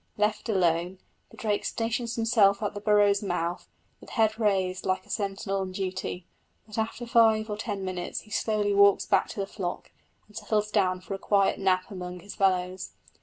Left alone, the drake stations himself at the burrow's mouth, with head raised like a sentinel on duty; but after five or ten minutes he slowly walks back to the flock, and settles down for a quiet nap among his fellows.